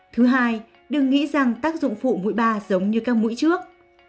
thứ hai đừng nghĩ rằng tác dụng phụ mũi ba giống như các mũi trước